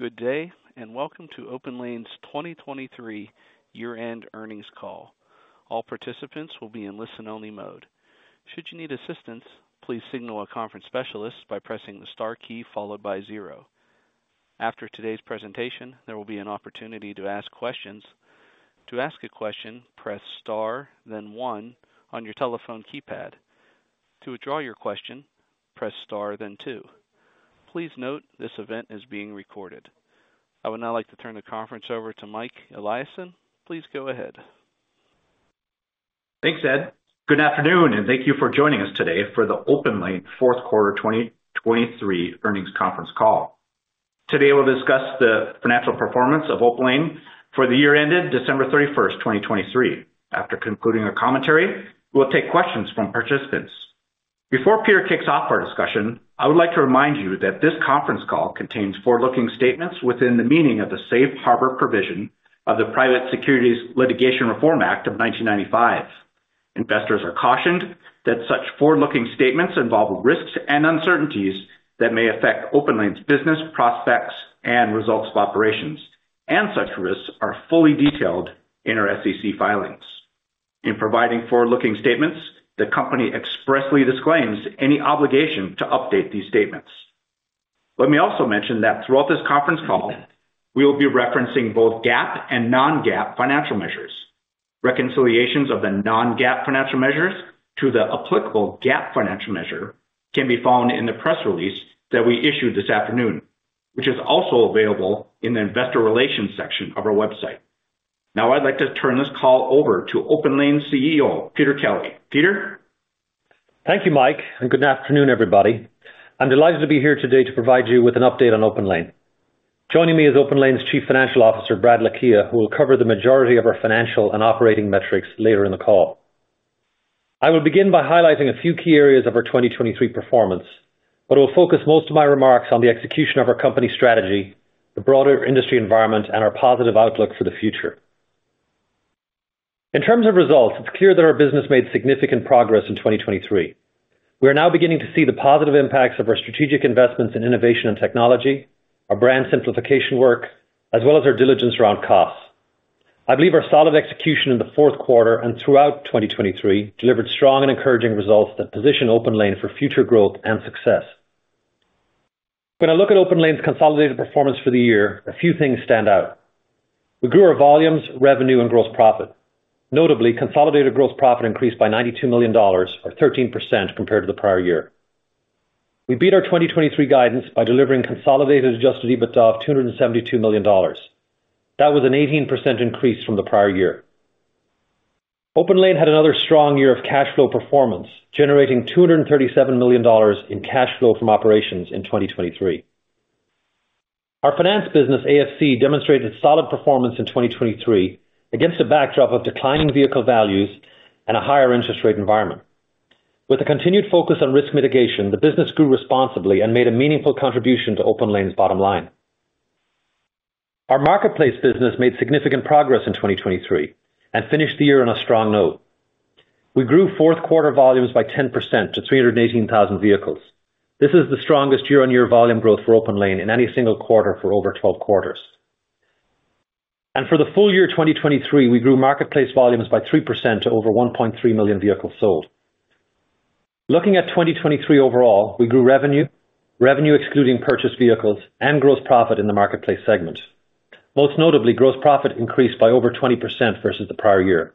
Good day and welcome to OPENLANE's 2023 year-end earnings call. All participants will be in listen-only mode. Should you need assistance, please signal a conference specialist by pressing the star key followed by zero. After today's presentation, there will be an opportunity to ask questions. To ask a question, press star, then one, on your telephone keypad. To withdraw your question, press star, then two. Please note this event is being recorded. I would now like to turn the conference over to Mike Eliason. Please go ahead. Thanks, Ed. Good afternoon, and thank you for joining us today for the OPENLANE fourth quarter 2023 earnings conference call. Today we'll discuss the financial performance of OPENLANE for the year ended December 31st, 2023. After concluding our commentary, we'll take questions from participants. Before Peter kicks off our discussion, I would like to remind you that this conference call contains forward-looking statements within the meaning of the Safe Harbor provision of the Private Securities Litigation Reform Act of 1995. Investors are cautioned that such forward-looking statements involve risks and uncertainties that may affect OPENLANE's business prospects and results of operations, and such risks are fully detailed in our SEC filings. In providing forward-looking statements, the company expressly disclaims any obligation to update these statements. Let me also mention that throughout this conference call, we will be referencing both GAAP and non-GAAP financial measures. Reconciliations of the non-GAAP financial measures to the applicable GAAP financial measure can be found in the press release that we issued this afternoon, which is also available in the investor relations section of our website. Now I'd like to turn this call over to OPENLANE's CEO, Peter Kelly. Peter? Thank you, Mike, and good afternoon, everybody. I'm delighted to be here today to provide you with an update on OPENLANE. Joining me is OPENLANE's Chief Financial Officer, Brad Lakhia, who will cover the majority of our financial and operating metrics later in the call. I will begin by highlighting a few key areas of our 2023 performance, but will focus most of my remarks on the execution of our company strategy, the broader industry environment, and our positive outlook for the future. In terms of results, it's clear that our business made significant progress in 2023. We are now beginning to see the positive impacts of our strategic investments in innovation and technology, our brand simplification work, as well as our diligence around costs. I believe our solid execution in the fourth quarter and throughout 2023 delivered strong and encouraging results that position OPENLANE for future growth and success. When I look at OPENLANE's consolidated performance for the year, a few things stand out. We grew our volumes, revenue, and gross profit. Notably, consolidated gross profit increased by $92 million, or 13% compared to the prior year. We beat our 2023 guidance by delivering consolidated adjusted EBITDA of $272 million. That was an 18% increase from the prior year. OPENLANE had another strong year of cash flow performance, generating $237 million in cash flow from operations in 2023. Our finance business, AFC, demonstrated solid performance in 2023 against a backdrop of declining vehicle values and a higher interest rate environment. With a continued focus on risk mitigation, the business grew responsibly and made a meaningful contribution to OPENLANE's bottom line. Our marketplace business made significant progress in 2023 and finished the year on a strong note. We grew fourth quarter volumes by 10% to 318,000 vehicles. This is the strongest year-on-year volume growth for OPENLANE in any single quarter for over 12 quarters. For the full year 2023, we grew marketplace volumes by 3% to over 1.3 million vehicles sold. Looking at 2023 overall, we grew revenue, revenue excluding purchased vehicles, and gross profit in the marketplace segment. Most notably, gross profit increased by over 20% versus the prior year.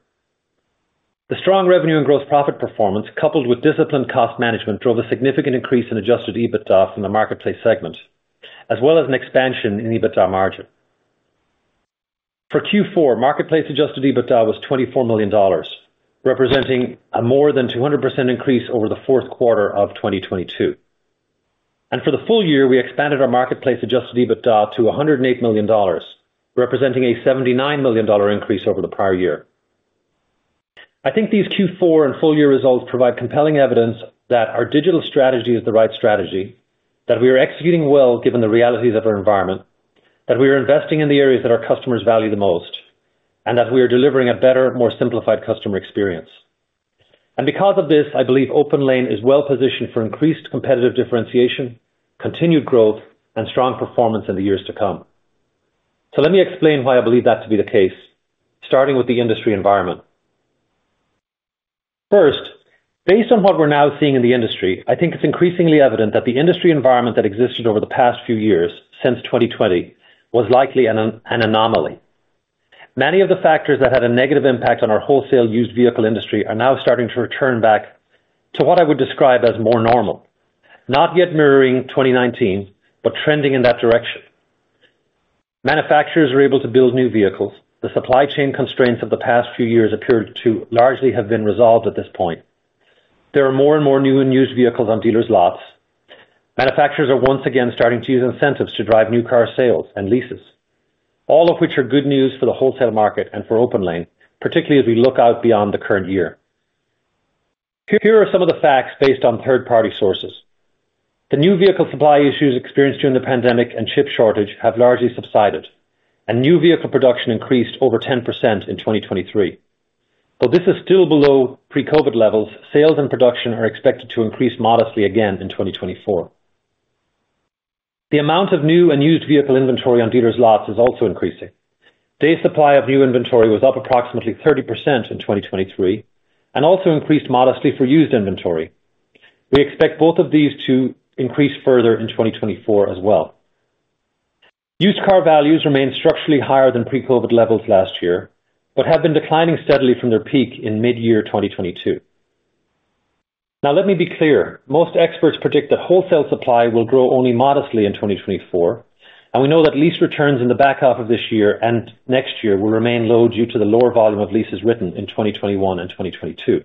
The strong revenue and gross profit performance, coupled with disciplined cost management, drove a significant increase in adjusted EBITDA from the marketplace segment, as well as an expansion in EBITDA margin. For Q4, marketplace adjusted EBITDA was $24 million, representing a more than 200% increase over the fourth quarter of 2022. For the full year, we expanded our marketplace adjusted EBITDA to $108 million, representing a $79 million increase over the prior year. I think these Q4 and full year results provide compelling evidence that our digital strategy is the right strategy, that we are executing well given the realities of our environment, that we are investing in the areas that our customers value the most, and that we are delivering a better, more simplified customer experience. Because of this, I believe OPENLANE is well positioned for increased competitive differentiation, continued growth, and strong performance in the years to come. Let me explain why I believe that to be the case, starting with the industry environment. First, based on what we're now seeing in the industry, I think it's increasingly evident that the industry environment that existed over the past few years since 2020 was likely an anomaly. Many of the factors that had a negative impact on our wholesale used vehicle industry are now starting to return back to what I would describe as more normal, not yet mirroring 2019, but trending in that direction. Manufacturers are able to build new vehicles. The supply chain constraints of the past few years appear to largely have been resolved at this point. There are more and more new and used vehicles on dealers' lots. Manufacturers are once again starting to use incentives to drive new car sales and leases, all of which are good news for the wholesale market and for OPENLANE, particularly as we look out beyond the current year. Here are some of the facts based on third-party sources. The new vehicle supply issues experienced during the pandemic and chip shortage have largely subsided, and new vehicle production increased over 10% in 2023. Though this is still below pre-COVID levels, sales and production are expected to increase modestly again in 2024. The amount of new and used vehicle inventory on dealers' lots is also increasing. Day Supply of new inventory was up approximately 30% in 2023 and also increased modestly for used inventory. We expect both of these to increase further in 2024 as well. Used car values remain structurally higher than pre-COVID levels last year but have been declining steadily from their peak in mid-year 2022. Now, let me be clear. Most experts predict that wholesale supply will grow only modestly in 2024, and we know that lease returns in the back half of this year and next year will remain low due to the lower volume of leases written in 2021 and 2022.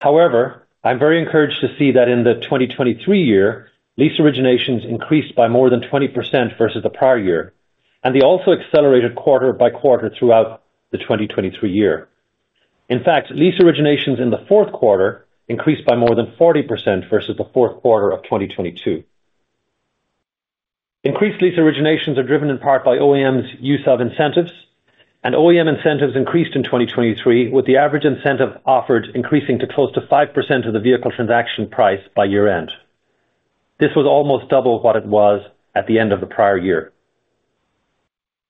However, I'm very encouraged to see that in the 2023 year, lease originations increased by more than 20% versus the prior year, and they also accelerated quarter by quarter throughout the 2023 year. In fact, lease originations in the fourth quarter increased by more than 40% versus the fourth quarter of 2022. Increased lease originations are driven in part by OEM's use of incentives, and OEM incentives increased in 2023, with the average incentive offered increasing to close to 5% of the vehicle transaction price by year-end. This was almost double what it was at the end of the prior year.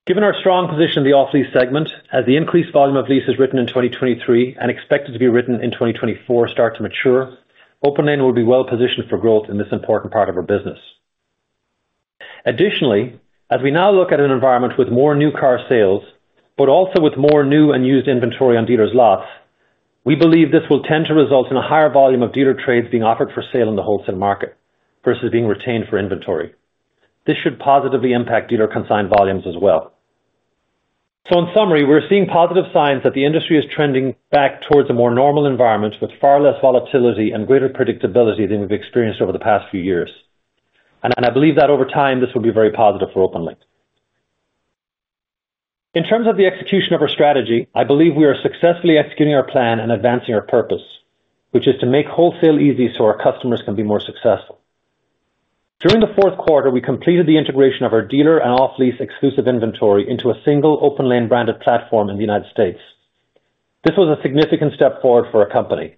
Given our strong position in the off-lease segment, as the increased volume of leases written in 2023 and expected to be written in 2024 start to mature, OPENLANE will be well positioned for growth in this important part of our business. Additionally, as we now look at an environment with more new car sales but also with more new and used inventory on dealers' lots, we believe this will tend to result in a higher volume of dealer trades being offered for sale in the wholesale market versus being retained for inventory. This should positively impact dealer consign volumes as well. So in summary, we're seeing positive signs that the industry is trending back towards a more normal environment with far less volatility and greater predictability than we've experienced over the past few years. And I believe that over time, this will be very positive for OPENLANE. In terms of the execution of our strategy, I believe we are successfully executing our plan and advancing our purpose, which is to make wholesale easy so our customers can be more successful. During the fourth quarter, we completed the integration of our dealer and off-lease exclusive inventory into a single OPENLANE-branded platform in the United States. This was a significant step forward for our company.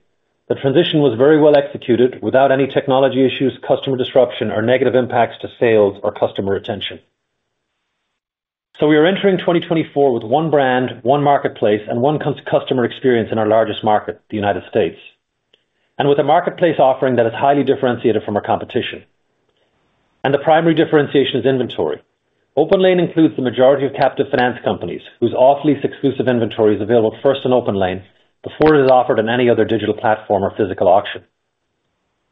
The transition was very well executed without any technology issues, customer disruption, or negative impacts to sales or customer retention. We are entering 2024 with one brand, one marketplace, and one customer experience in our largest market, the United States, and with a marketplace offering that is highly differentiated from our competition. The primary differentiation is inventory. OPENLANE includes the majority of captive finance companies, whose off-lease exclusive inventory is available first in OPENLANE before it is offered on any other digital platform or physical auction.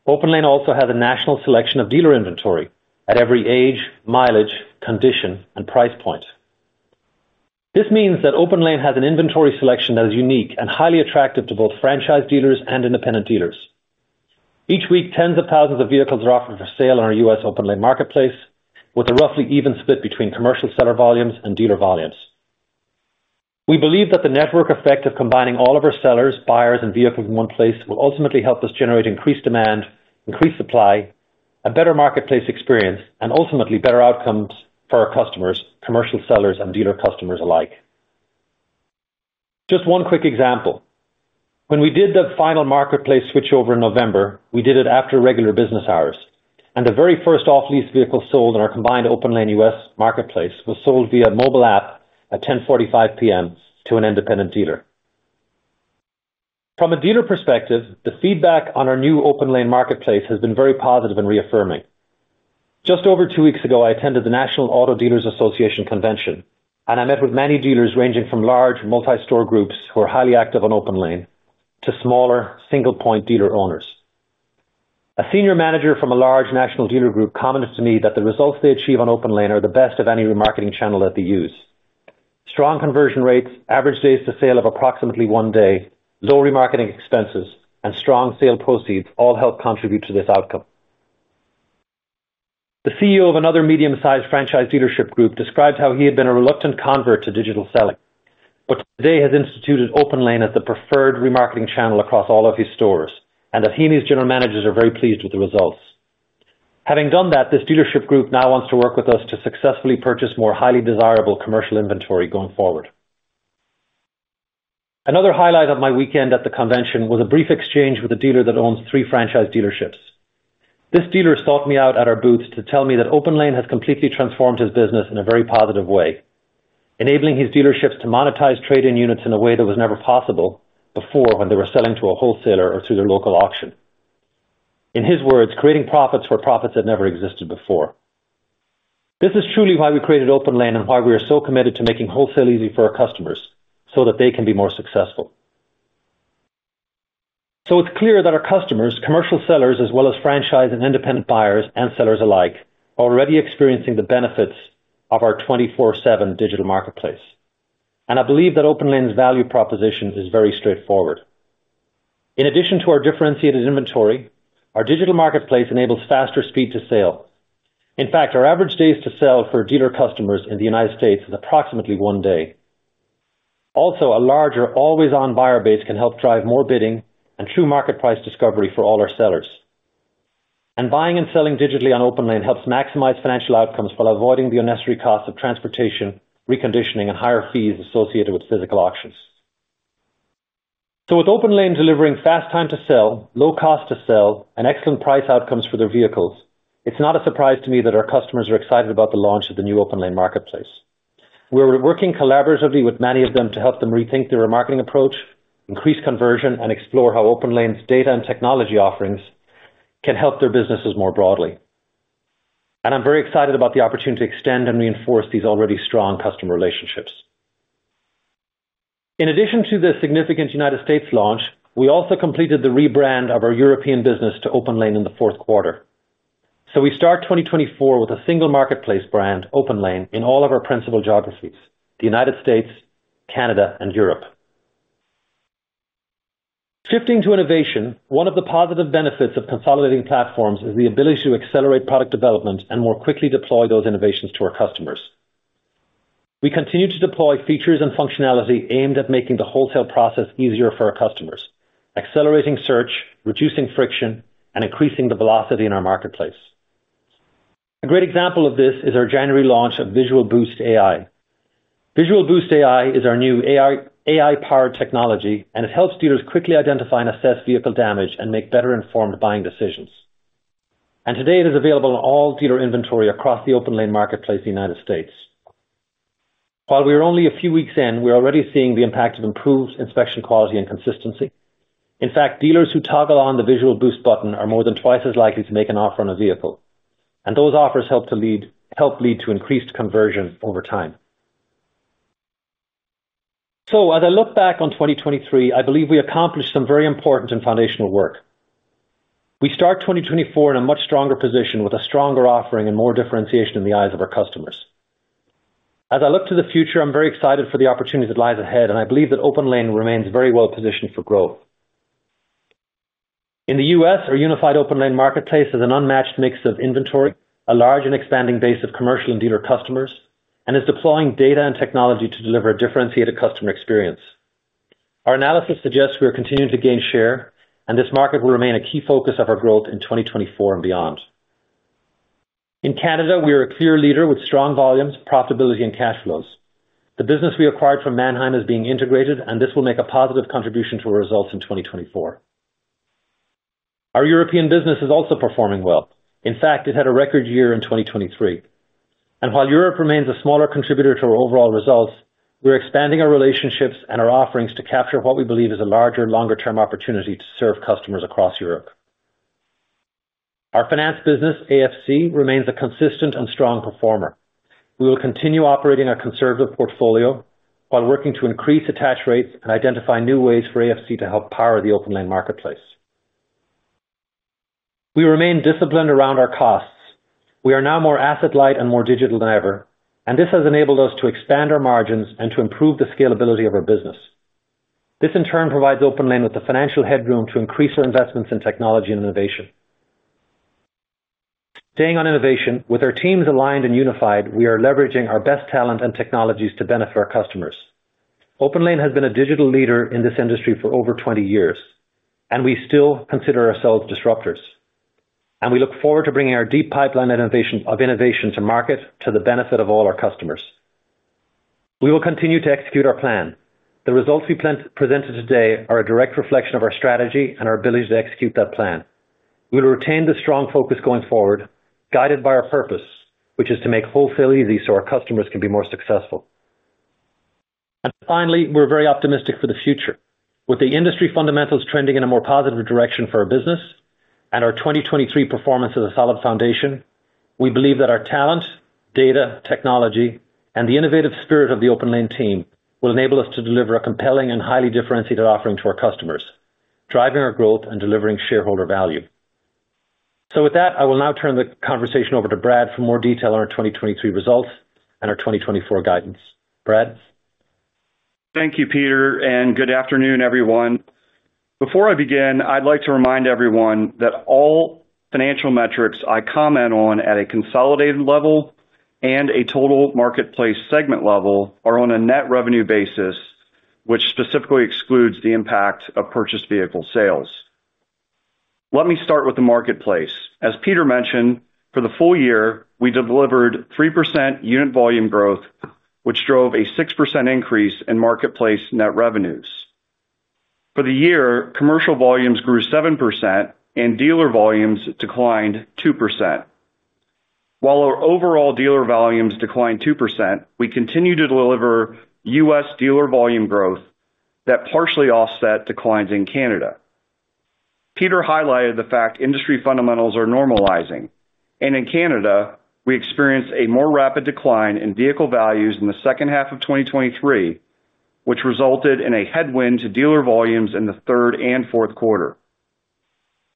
OPENLANE also has a national selection of dealer inventory at every age, mileage, condition, and price point. This means that OPENLANE has an inventory selection that is unique and highly attractive to both franchise dealers and independent dealers. Each week, tens of thousands of vehicles are offered for sale on our U.S. OPENLANE marketplace, with a roughly even split between commercial seller volumes and dealer volumes. We believe that the network effect of combining all of our sellers, buyers, and vehicles in one place will ultimately help us generate increased demand, increased supply, a better marketplace experience, and ultimately better outcomes for our customers, commercial sellers, and dealer customers alike. Just one quick example. When we did the final marketplace switchover in November, we did it after regular business hours, and the very first off-lease vehicle sold in our combined OPENLANE U.S. marketplace was sold via mobile app at 10:45 P.M. to an independent dealer. From a dealer perspective, the feedback on our new OPENLANE marketplace has been very positive and reaffirming. Just over two weeks ago, I attended the National Automobile Dealers Association convention, and I met with many dealers ranging from large multi-store groups who are highly active on OPENLANE to smaller single-point dealer owners. A senior manager from a large national dealer group commented to me that the results they achieve on OPENLANE are the best of any remarketing channel that they use. Strong conversion rates, average days to sale of approximately one day, low remarketing expenses, and strong sale proceeds all help contribute to this outcome. The CEO of another medium-sized franchise dealership group described how he had been a reluctant convert to digital selling, but today has instituted OPENLANE as the preferred remarketing channel across all of his stores, and that he and his general managers are very pleased with the results. Having done that, this dealership group now wants to work with us to successfully purchase more highly desirable commercial inventory going forward. Another highlight of my weekend at the convention was a brief exchange with a dealer that owns three franchise dealerships. This dealer sought me out at our booth to tell me that OPENLANE has completely transformed his business in a very positive way, enabling his dealerships to monetize trade-in units in a way that was never possible before when they were selling to a wholesaler or through their local auction. In his words, creating profits for profits that never existed before. This is truly why we created OPENLANE and why we are so committed to making wholesale easy for our customers so that they can be more successful. So it's clear that our customers, commercial sellers, as well as franchise and independent buyers and sellers alike, are already experiencing the benefits of our 24/7 digital marketplace. And I believe that OPENLANE's value proposition is very straightforward. In addition to our differentiated inventory, our digital marketplace enables faster speed to sale. In fact, our average days to sell for dealer customers in the United States is approximately one day. Also, a larger always-on buyer base can help drive more bidding and true market price discovery for all our sellers. And buying and selling digitally on OPENLANE helps maximize financial outcomes while avoiding the unnecessary costs of transportation, reconditioning, and higher fees associated with physical auctions. With OPENLANE delivering fast time to sell, low cost to sell, and excellent price outcomes for their vehicles, it's not a surprise to me that our customers are excited about the launch of the new OPENLANE marketplace. We're working collaboratively with many of them to help them rethink their remarketing approach, increase conversion, and explore how OPENLANE's data and technology offerings can help their businesses more broadly. I'm very excited about the opportunity to extend and reinforce these already strong customer relationships. In addition to the significant United States launch, we also completed the rebrand of our European business to OPENLANE in the fourth quarter. We start 2024 with a single marketplace brand, OPENLANE, in all of our principal geographies: the United States, Canada, and Europe. Shifting to innovation, one of the positive benefits of consolidating platforms is the ability to accelerate product development and more quickly deploy those innovations to our customers. We continue to deploy features and functionality aimed at making the wholesale process easier for our customers, accelerating search, reducing friction, and increasing the velocity in our marketplace. A great example of this is our January launch of Visual Boost AI. Visual Boost AI is our new AI-powered technology, and it helps dealers quickly identify and assess vehicle damage and make better-informed buying decisions. And today, it is available on all dealer inventory across the OPENLANE marketplace in the United States. While we are only a few weeks in, we are already seeing the impact of improved inspection quality and consistency. In fact, dealers who toggle on the Visual Boost button are more than twice as likely to make an offer on a vehicle, and those offers help to lead to increased conversion over time. As I look back on 2023, I believe we accomplished some very important and foundational work. We start 2024 in a much stronger position with a stronger offering and more differentiation in the eyes of our customers. As I look to the future, I'm very excited for the opportunities that lie ahead, and I believe that OPENLANE remains very well positioned for growth. In the U.S., our unified OPENLANE marketplace is an unmatched mix of inventory, a large and expanding base of commercial and dealer customers, and is deploying data and technology to deliver a differentiated customer experience. Our analysis suggests we are continuing to gain share, and this market will remain a key focus of our growth in 2024 and beyond. In Canada, we are a clear leader with strong volumes, profitability, and cash flows. The business we acquired from Manheim is being integrated, and this will make a positive contribution to our results in 2024. Our European business is also performing well. In fact, it had a record year in 2023. And while Europe remains a smaller contributor to our overall results, we are expanding our relationships and our offerings to capture what we believe is a larger, longer-term opportunity to serve customers across Europe. Our finance business, AFC, remains a consistent and strong performer. We will continue operating our conservative portfolio while working to increase attach rates and identify new ways for AFC to help power the OPENLANE marketplace. We remain disciplined around our costs. We are now more asset-light and more digital than ever, and this has enabled us to expand our margins and to improve the scalability of our business. This, in turn, provides OPENLANE with the financial headroom to increase our investments in technology and innovation. Staying on innovation, with our teams aligned and unified, we are leveraging our best talent and technologies to benefit our customers. OPENLANE has been a digital leader in this industry for over 20 years, and we still consider ourselves disruptors. And we look forward to bringing our deep pipeline of innovation to market to the benefit of all our customers. We will continue to execute our plan. The results we presented today are a direct reflection of our strategy and our ability to execute that plan. We will retain this strong focus going forward, guided by our purpose, which is to make wholesale easy so our customers can be more successful. And finally, we're very optimistic for the future. With the industry fundamentals trending in a more positive direction for our business and our 2023 performance as a solid foundation, we believe that our talent, data, technology, and the innovative spirit of the OPENLANE team will enable us to deliver a compelling and highly differentiated offering to our customers, driving our growth and delivering shareholder value. So with that, I will now turn the conversation over to Brad for more detail on our 2023 results and our 2024 guidance. Brad. Thank you, Peter, and good afternoon, everyone. Before I begin, I'd like to remind everyone that all financial metrics I comment on at a consolidated level and a total marketplace segment level are on a net revenue basis, which specifically excludes the impact of purchased vehicle sales. Let me start with the marketplace. As Peter mentioned, for the full year, we delivered 3% unit volume growth, which drove a 6% increase in marketplace net revenues. For the year, commercial volumes grew 7% and dealer volumes declined 2%. While our overall dealer volumes declined 2%, we continue to deliver U.S. dealer volume growth that partially offset declines in Canada. Peter highlighted the fact industry fundamentals are normalizing, and in Canada, we experienced a more rapid decline in vehicle values in the second half of 2023, which resulted in a headwind to dealer volumes in the third and fourth quarter.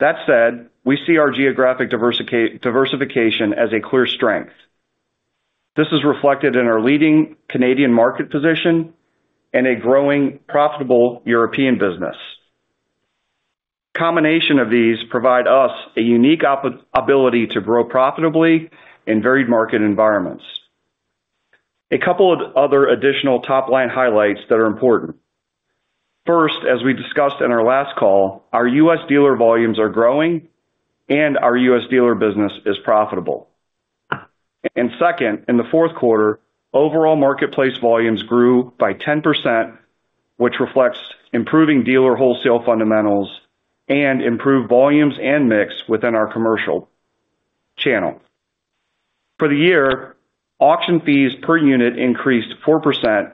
That said, we see our geographic diversification as a clear strength. This is reflected in our leading Canadian market position and a growing, profitable European business. A combination of these provides us a unique ability to grow profitably in varied market environments. A couple of other additional top-line highlights that are important. First, as we discussed in our last call, our U.S. dealer volumes are growing and our U.S. dealer business is profitable. Second, in the fourth quarter, overall marketplace volumes grew by 10%, which reflects improving dealer wholesale fundamentals and improved volumes and mix within our commercial channel. For the year, auction fees per unit increased 4%,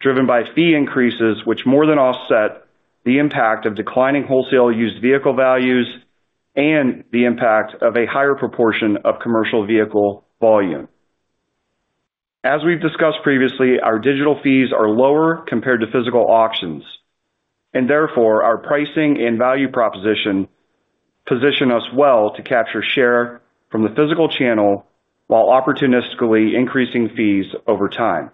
driven by fee increases, which more than offset the impact of declining wholesale used vehicle values and the impact of a higher proportion of commercial vehicle volume. As we've discussed previously, our digital fees are lower compared to physical auctions, and therefore our pricing and value proposition position us well to capture share from the physical channel while opportunistically increasing fees over time.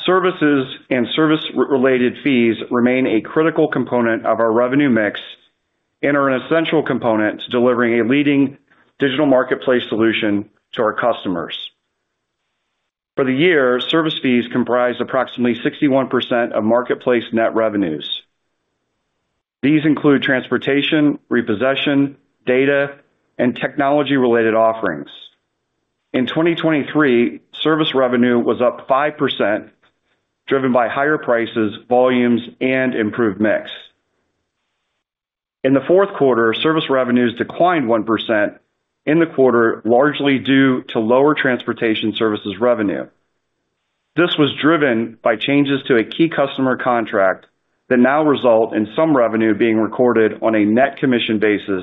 Services and service-related fees remain a critical component of our revenue mix and are an essential component to delivering a leading digital marketplace solution to our customers. For the year, service fees comprise approximately 61% of marketplace net revenues. These include transportation, repossession, data, and technology-related offerings. In 2023, service revenue was up 5%, driven by higher prices, volumes, and improved mix. In the fourth quarter, service revenues declined 1% in the quarter, largely due to lower transportation services revenue. This was driven by changes to a key customer contract that now result in some revenue being recorded on a net commission basis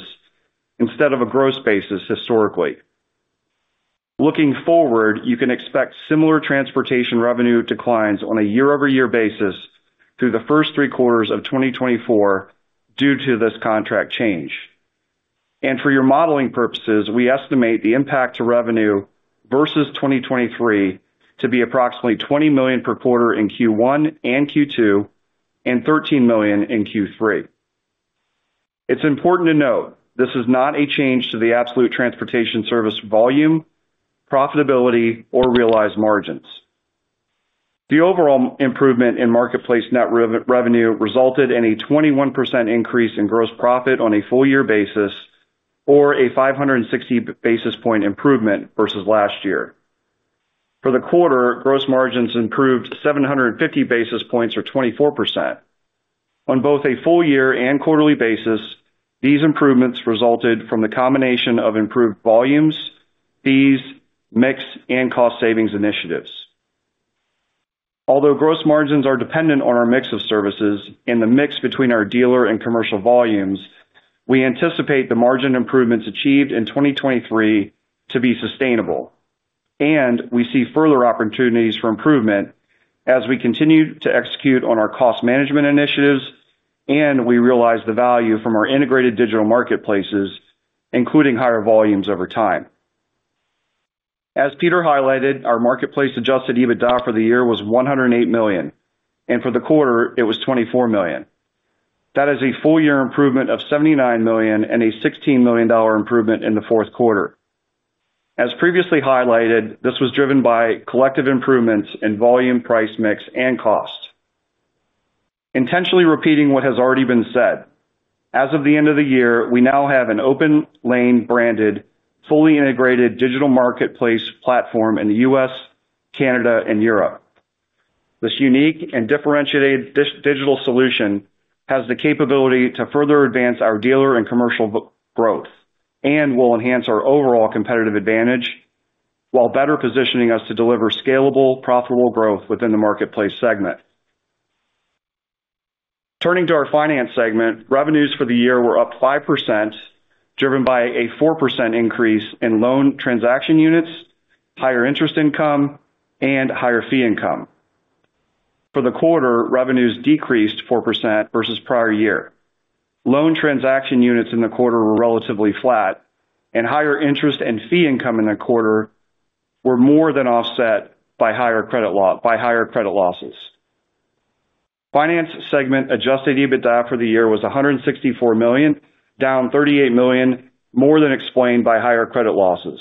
instead of a gross basis historically. Looking forward, you can expect similar transportation revenue declines on a year-over-year basis through the first three quarters of 2024 due to this contract change. For your modeling purposes, we estimate the impact to revenue versus 2023 to be approximately $20 million per quarter in Q1 and Q2 and $13 million in Q3. It's important to note this is not a change to the absolute transportation service volume, profitability, or realized margins. The overall improvement in marketplace net revenue resulted in a 21% increase in gross profit on a full-year basis or a 560 basis point improvement versus last year. For the quarter, gross margins improved 750 basis points or 24%. On both a full-year and quarterly basis, these improvements resulted from the combination of improved volumes, fees, mix, and cost savings initiatives. Although gross margins are dependent on our mix of services and the mix between our dealer and commercial volumes, we anticipate the margin improvements achieved in 2023 to be sustainable. We see further opportunities for improvement as we continue to execute on our cost management initiatives and we realize the value from our integrated digital marketplaces, including higher volumes over time. As Peter highlighted, our marketplace adjusted EBITDA for the year was $108 million, and for the quarter, it was $24 million. That is a full-year improvement of $79 million and a $16 million improvement in the fourth quarter. As previously highlighted, this was driven by collective improvements in volume, price mix, and cost. Intentionally repeating what has already been said, as of the end of the year, we now have an OPENLANE branded, fully integrated digital marketplace platform in the U.S., Canada, and Europe. This unique and differentiated digital solution has the capability to further advance our dealer and commercial growth and will enhance our overall competitive advantage while better positioning us to deliver scalable, profitable growth within the marketplace segment. Turning to our finance segment, revenues for the year were up 5%, driven by a 4% increase in loan transaction units, higher interest income, and higher fee income. For the quarter, revenues decreased 4% versus prior year. Loan transaction units in the quarter were relatively flat, and higher interest and fee income in the quarter were more than offset by higher credit losses. Finance segment Adjusted EBITDA for the year was $164 million, down $38 million, more than explained by higher credit losses.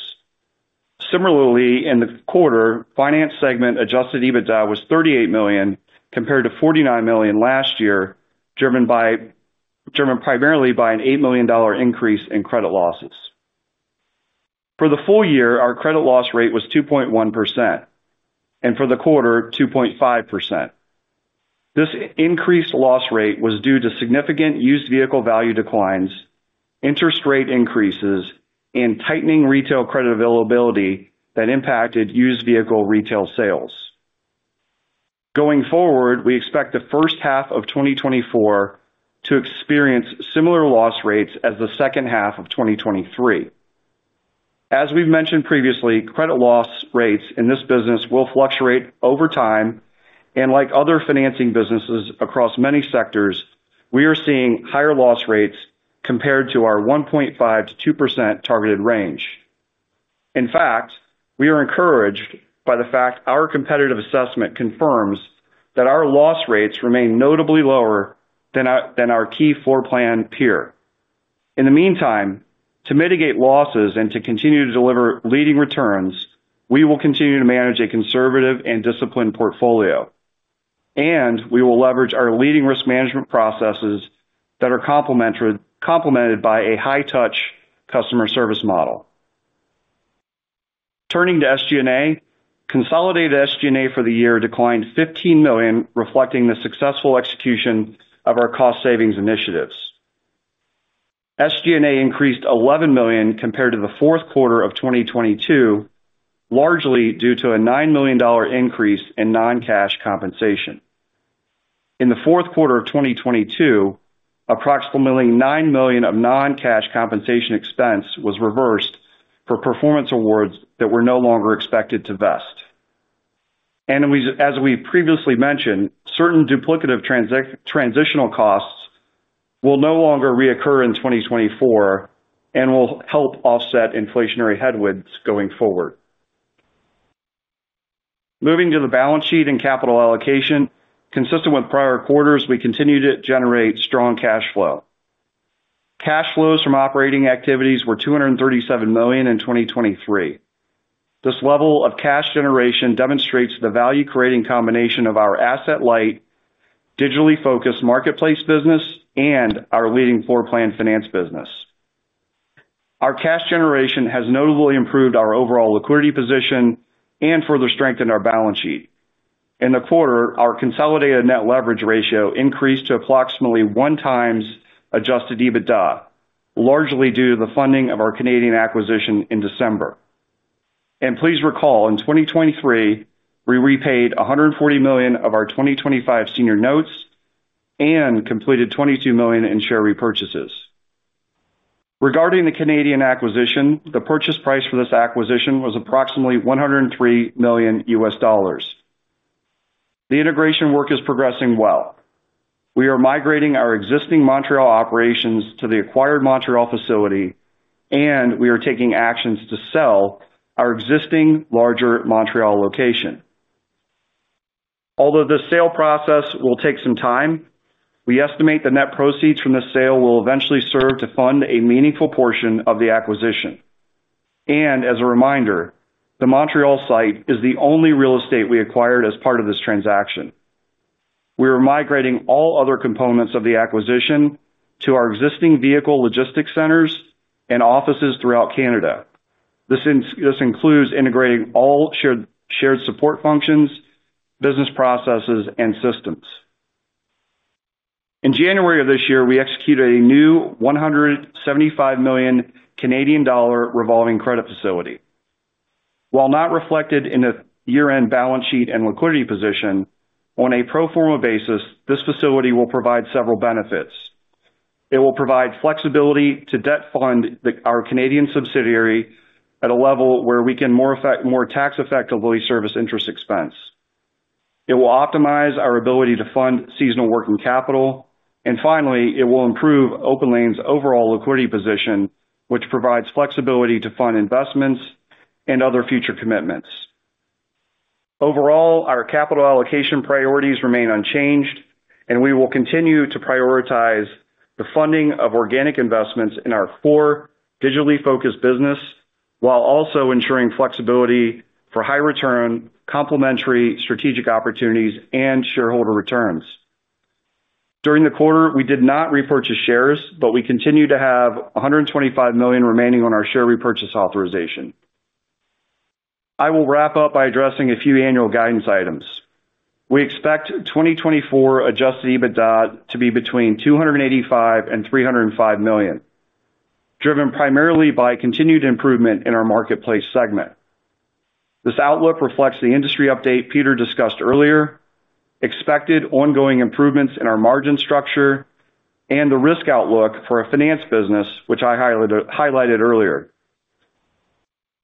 Similarly, in the quarter, finance segment Adjusted EBITDA was $38 million compared to $49 million last year, driven primarily by an $8 million increase in credit losses. For the full year, our credit loss rate was 2.1%, and for the quarter, 2.5%. This increased loss rate was due to significant used vehicle value declines, interest rate increases, and tightening retail credit availability that impacted used vehicle retail sales. Going forward, we expect the first half of 2024 to experience similar loss rates as the second half of 2023. As we've mentioned previously, credit loss rates in this business will fluctuate over time, and like other financing businesses across many sectors, we are seeing higher loss rates compared to our 1.5%-2% targeted range. In fact, we are encouraged by the fact our competitive assessment confirms that our loss rates remain notably lower than our key floorplan peer. In the meantime, to mitigate losses and to continue to deliver leading returns, we will continue to manage a conservative and disciplined portfolio. We will leverage our leading risk management processes that are complemented by a high-touch customer service model. Turning to SG&A, consolidated SG&A for the year declined $15 million, reflecting the successful execution of our cost savings initiatives. SG&A increased $11 million compared to the fourth quarter of 2022, largely due to a $9 million increase in non-cash compensation. In the fourth quarter of 2022, approximately $9 million of non-cash compensation expense was reversed for performance awards that were no longer expected to vest. And as we've previously mentioned, certain duplicative transitional costs will no longer reoccur in 2024 and will help offset inflationary headwinds going forward. Moving to the balance sheet and capital allocation, consistent with prior quarters, we continued to generate strong cash flow. Cash flows from operating activities were $237 million in 2023. This level of cash generation demonstrates the value-creating combination of our asset-light, digitally focused marketplace business, and our leading floor plan finance business. Our cash generation has notably improved our overall liquidity position and further strengthened our balance sheet. In the quarter, our consolidated net leverage ratio increased to approximately 1x Adjusted EBITDA, largely due to the funding of our Canadian acquisition in December. Please recall, in 2023, we repaid $140 million of our 2025 senior notes and completed $22 million in share repurchases. Regarding the Canadian acquisition, the purchase price for this acquisition was approximately $103 million. The integration work is progressing well. We are migrating our existing Montreal operations to the acquired Montreal facility, and we are taking actions to sell our existing larger Montreal location. Although this sale process will take some time, we estimate the net proceeds from this sale will eventually serve to fund a meaningful portion of the acquisition. And as a reminder, the Montreal site is the only real estate we acquired as part of this transaction. We are migrating all other components of the acquisition to our existing vehicle logistics centers and offices throughout Canada. This includes integrating all shared support functions, business processes, and systems. In January of this year, we executed a new $175 million revolving credit facility. While not reflected in the year-end balance sheet and liquidity position, on a pro forma basis, this facility will provide several benefits. It will provide flexibility to debt fund our Canadian subsidiary at a level where we can more tax-effectively service interest expense. It will optimize our ability to fund seasonal working capital. Finally, it will improve OPENLANE's overall liquidity position, which provides flexibility to fund investments and other future commitments. Overall, our capital allocation priorities remain unchanged, and we will continue to prioritize the funding of organic investments in our core digitally focused business while also ensuring flexibility for high-return, complementary strategic opportunities, and shareholder returns. During the quarter, we did not repurchase shares, but we continue to have $125 million remaining on our share repurchase authorization. I will wrap up by addressing a few annual guidance items. We expect 2024 Adjusted EBITDA to be between $285 million and $305 million, driven primarily by continued improvement in our marketplace segment. This outlook reflects the industry update Peter discussed earlier, expected ongoing improvements in our margin structure, and the risk outlook for a finance business, which I highlighted earlier.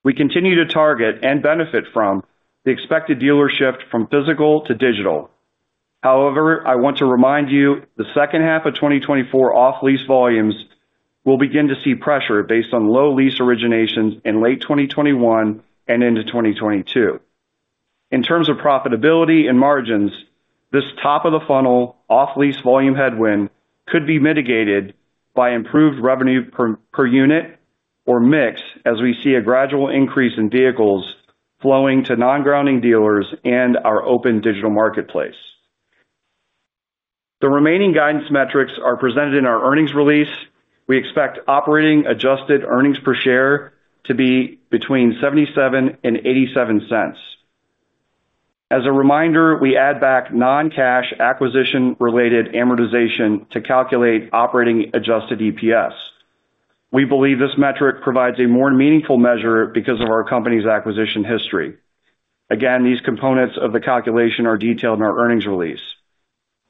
We continue to target and benefit from the expected dealership from physical to digital. However, I want to remind you the second half of 2024 off-lease volumes will begin to see pressure based on low lease originations in late 2021 and into 2022. In terms of profitability and margins, this top-of-the-funnel off-lease volume headwind could be mitigated by improved revenue per unit or mix as we see a gradual increase in vehicles flowing to non-grounding dealers and our open digital marketplace. The remaining guidance metrics are presented in our earnings release. We expect operating adjusted earnings per share to be between $0.77 and $0.87. As a reminder, we add back non-cash acquisition-related amortization to calculate operating adjusted EPS. We believe this metric provides a more meaningful measure because of our company's acquisition history. Again, these components of the calculation are detailed in our earnings release.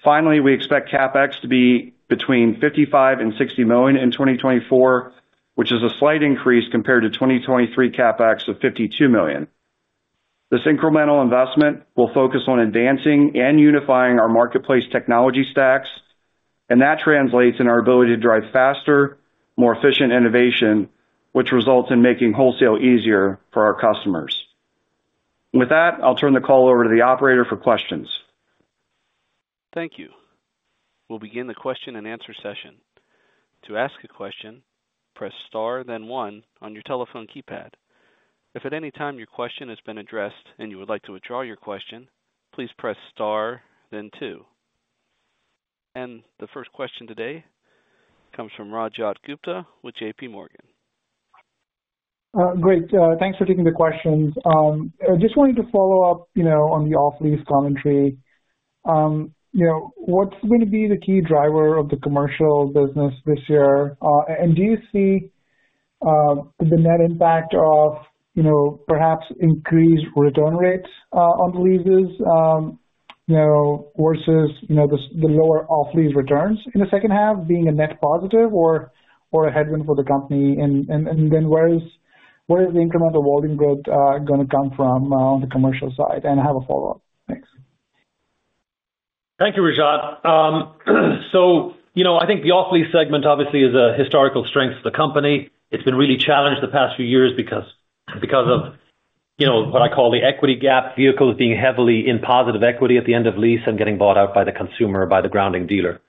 Finally, we expect CapEx to be between $55 million and $60 million in 2024, which is a slight increase compared to 2023 CapEx of $52 million. This incremental investment will focus on advancing and unifying our marketplace technology stacks, and that translates in our ability to drive faster, more efficient innovation, which results in making wholesale easier for our customers. With that, I'll turn the call over to the operator for questions. Thank you. We'll begin the question and answer session. To ask a question, press star, then one on your telephone keypad. If at any time your question has been addressed and you would like to withdraw your question, please press star, then two. The first question today comes from Rajat Gupta with JPMorgan. Great. Thanks for taking the questions. Just wanted to follow up on the off-lease commentary. What's going to be the key driver of the commercial business this year? And do you see the net impact of perhaps increased return rates on the leases versus the lower off-lease returns in the second half being a net positive or a headwind for the company? And then where is the incremental holding growth going to come from on the commercial side? And I have a follow-up. Thanks. Thank you, Rajat. So I think the off-lease segment obviously is a historical strength for the company. It's been really challenged the past few years because of what I call the equity gap, vehicles being heavily in positive equity at the end of lease and getting bought out by the consumer, by the grounding dealer.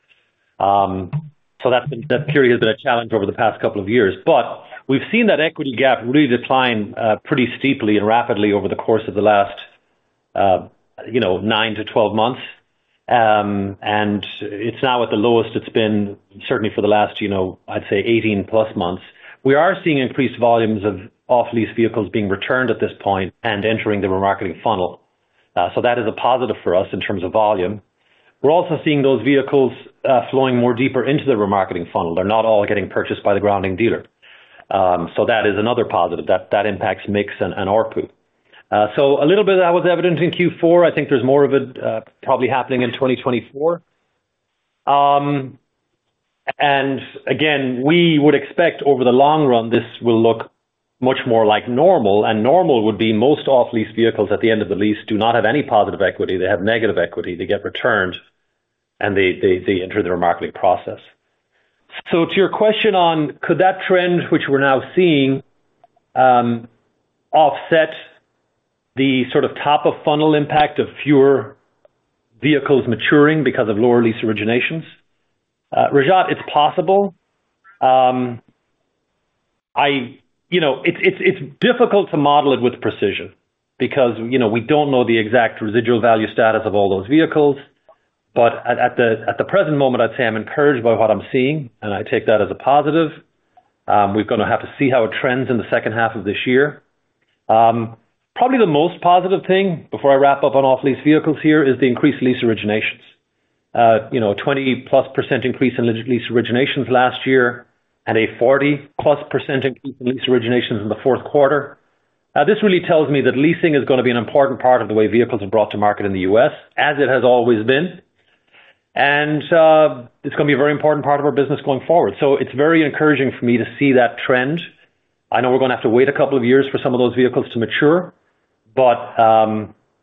So that period has been a challenge over the past couple of years. But we've seen that equity gap really decline pretty steeply and rapidly over the course of the last 9-12 months. And it's now at the lowest it's been, certainly for the last, I'd say, 18+ months. We are seeing increased volumes of off-lease vehicles being returned at this point and entering the remarketing funnel. So that is a positive for us in terms of volume. We're also seeing those vehicles flowing more deeper into the remarketing funnel. They're not all getting purchased by the grounding dealer. So that is another positive. That impacts mix and ARPU. So a little bit of that was evident in Q4. I think there's more of it probably happening in 2024. And again, we would expect over the long run, this will look much more like normal. And normal would be most off-lease vehicles at the end of the lease do not have any positive equity. They have negative equity. They get returned, and they enter the remarketing process. So to your question on could that trend, which we're now seeing, offset the sort of top-of-funnel impact of fewer vehicles maturing because of lower Lease Originations? Rajat, it's possible. It's difficult to model it with precision because we don't know the exact residual value status of all those vehicles. But at the present moment, I'd say I'm encouraged by what I'm seeing, and I take that as a positive. We're going to have to see how it trends in the second half of this year. Probably the most positive thing before I wrap up on off-lease vehicles here is the increased lease originations. A 20%+ increase in lease originations last year and a 40%+ increase in lease originations in the fourth quarter. This really tells me that leasing is going to be an important part of the way vehicles are brought to market in the U.S., as it has always been. And it's going to be a very important part of our business going forward. So it's very encouraging for me to see that trend. I know we're going to have to wait a couple of years for some of those vehicles to mature, but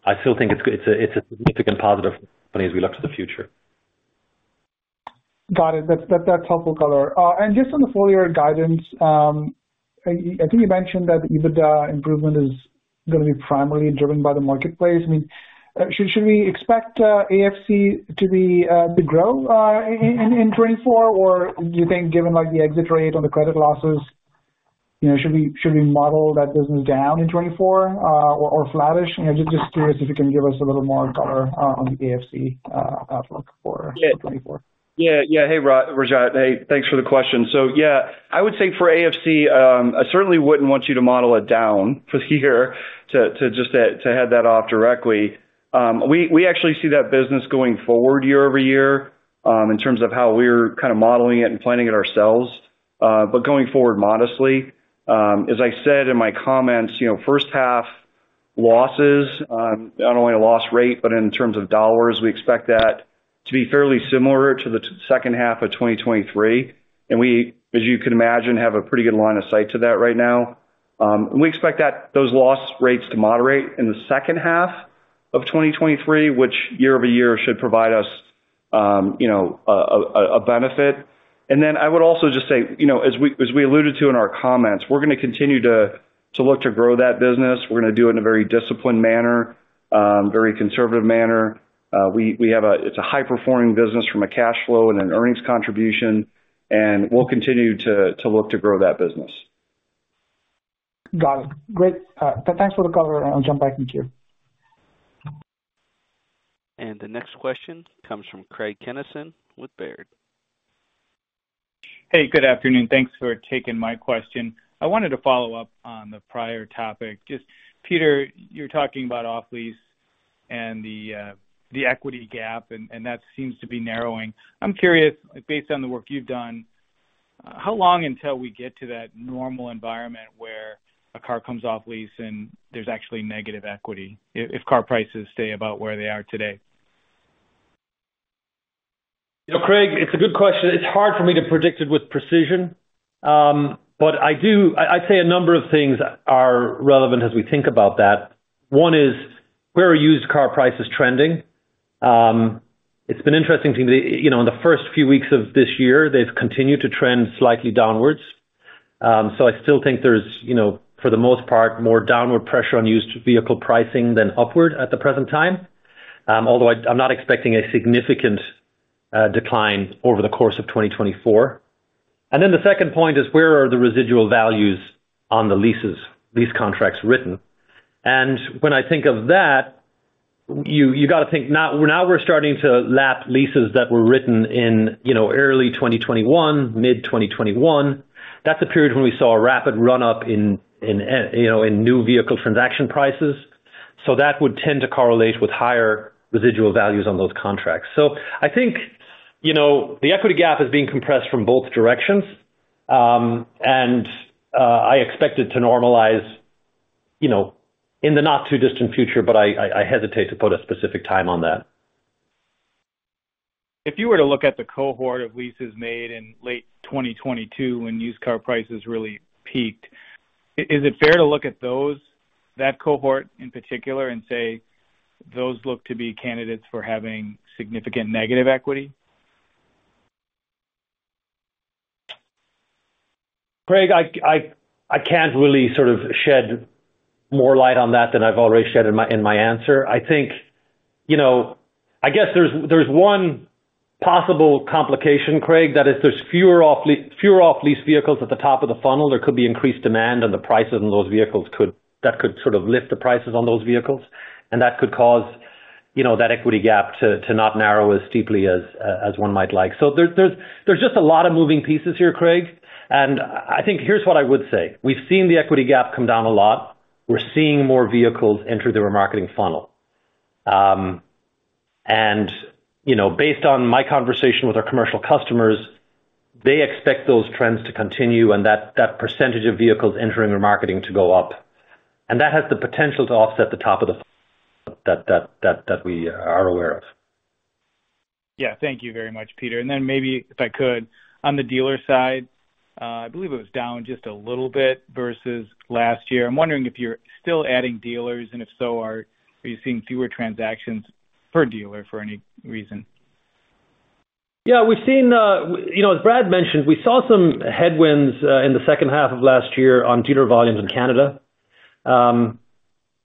I still think it's a significant positive for the company as we look to the future. Got it. That's helpful color. And just on the full-year guidance, I think you mentioned that the EBITDA improvement is going to be primarily driven by the marketplace. I mean, should we expect AFC to grow in 2024, or do you think given the exit rate on the credit losses, should we model that business down in 2024 or flattish? Just curious if you can give us a little more color on the AFC outlook for 2024. Yeah. Yeah. Hey, Rajat. Hey, thanks for the question. So yeah, I would say for AFC, I certainly wouldn't want you to model it down for the year to just head that off directly. We actually see that business going forward year-over-year in terms of how we're kind of modeling it and planning it ourselves. But going forward, modestly, as I said in my comments, first half losses, not only a loss rate, but in terms of dollars, we expect that to be fairly similar to the second half of 2023. And we, as you can imagine, have a pretty good line of sight to that right now. We expect those loss rates to moderate in the second half of 2023, which year-over-year should provide us a benefit. Then I would also just say, as we alluded to in our comments, we're going to continue to look to grow that business. We're going to do it in a very disciplined manner, very conservative manner. It's a high-performing business from a cash flow and an earnings contribution. We'll continue to look to grow that business. Got it. Great. Thanks for the color. I'll jump back in queue. The next question comes from Craig Kennison with Baird. Hey, good afternoon. Thanks for taking my question. I wanted to follow up on the prior topic. Just Peter, you were talking about off-lease and the equity gap, and that seems to be narrowing. I'm curious, based on the work you've done, how long until we get to that normal environment where a car comes off-lease and there's actually negative equity if car prices stay about where they are today? Craig, it's a good question. It's hard for me to predict it with precision, but I'd say a number of things are relevant as we think about that. One is where are used car prices trending? It's been interesting to me that in the first few weeks of this year, they've continued to trend slightly downwards. So I still think there's, for the most part, more downward pressure on used vehicle pricing than upward at the present time, although I'm not expecting a significant decline over the course of 2024. And then the second point is where are the residual values on the leases, lease contracts written? And when I think of that, you got to think now we're starting to lap leases that were written in early 2021, mid-2021. That's a period when we saw a rapid run-up in new vehicle transaction prices. So that would tend to correlate with higher residual values on those contracts. So I think the equity gap is being compressed from both directions. And I expect it to normalize in the not-too-distant future, but I hesitate to put a specific time on that. If you were to look at the cohort of leases made in late 2022 when used car prices really peaked, is it fair to look at those, that cohort in particular, and say those look to be candidates for having significant negative equity? Craig, I can't really sort of shed more light on that than I've already shed in my answer. I guess there's one possible complication, Craig, that is there's fewer off-lease vehicles at the top of the funnel. There could be increased demand on the prices on those vehicles that could sort of lift the prices on those vehicles. That could cause that equity gap to not narrow as steeply as one might like. So there's just a lot of moving pieces here, Craig. I think here's what I would say. We've seen the equity gap come down a lot. We're seeing more vehicles enter the remarketing funnel. Based on my conversation with our commercial customers, they expect those trends to continue and that percentage of vehicles entering remarketing to go up. That has the potential to offset the top of the funnel that we are aware of. Yeah. Thank you very much, Peter. And then maybe if I could, on the dealer side, I believe it was down just a little bit versus last year. I'm wondering if you're still adding dealers, and if so, are you seeing fewer transactions per dealer for any reason? Yeah. As Brad mentioned, we saw some headwinds in the second half of last year on dealer volumes in Canada.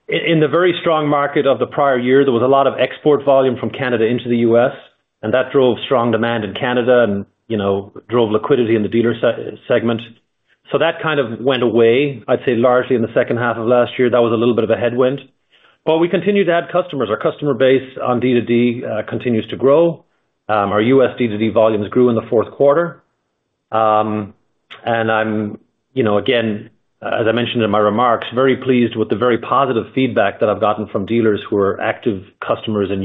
In the very strong market of the prior year, there was a lot of export volume from Canada into the U.S., and that drove strong demand in Canada and drove liquidity in the dealer segment. So that kind of went away, I'd say, largely in the second half of last year. That was a little bit of a headwind. But we continue to add customers. Our customer base on D2D continues to grow. Our U.S. D2D volumes grew in the fourth quarter. And I'm, again, as I mentioned in my remarks, very pleased with the very positive feedback that I've gotten from dealers who are active customers and